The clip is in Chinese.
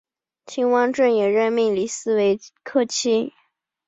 秦王政也任命李斯为客卿。